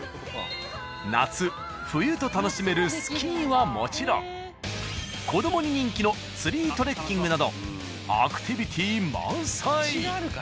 夏冬と楽しめるスキーはもちろん子どもに人気のツリートレッキングなどアクティビティ満載。